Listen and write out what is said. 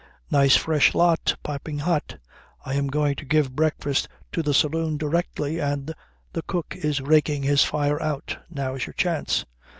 Nice fresh lot. Piping hot. I am going to give breakfast to the saloon directly, and the cook is raking his fire out. Now's your chance."